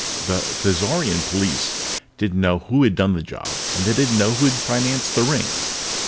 The Thizarian police didn't know who had done the job, and they didn't know who had financed the ring.